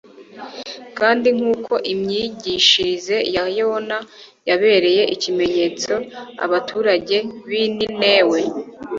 Kandi nk'uko imyigishirize ya Yona yabereye ikimenyetso abaturage b'i Ninewe;